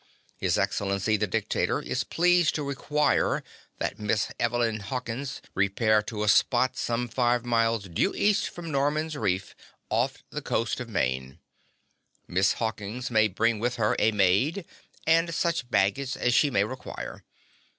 His excellency the dictator is pleased to require that Miss Evelyn Hawkins repair to a spot some five miles due east from Norman's Reef, off the coast of Maine. Miss Hawkins may bring with her a maid and such baggage as she may require.